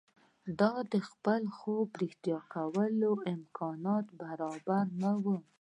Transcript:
ده ته د خپل خوب د رښتيا کولو امکانات برابر نه وو.